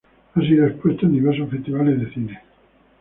Ha sido expuesto en diversos festivales de cine.